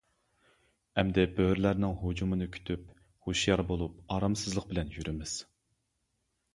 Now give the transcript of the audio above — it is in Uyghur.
ئەمدى بۆرىلەرنىڭ ھۇجۇمىنى كۈتۈپ، ھوشيار بولۇپ ئارامسىزلىق بىلەن يۈرىمىز.